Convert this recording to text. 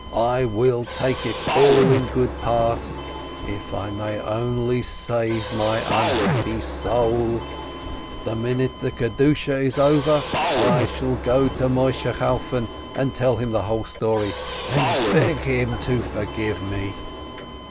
I will take it all in good part, if I may only save my unhappy soul ! The minute the Kedushah is over I shall go to Moisheh Chalfon, tell him the whole story, and beg him to forgive me."